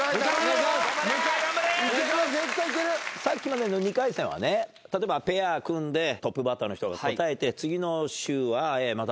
さっきまでの２回戦はね例えばペア組んでトップバッターの人が答えて。